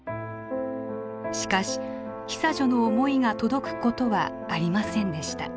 しかし久女の思いが届くことはありませんでした。